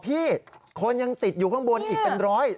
พี่คนยังติดอยู่ข้างบนอีกเป็นร้อย